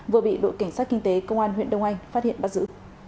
vừa bị đội cảnh sát kinh tế công an huyện đông anh phát hiện bắt giữ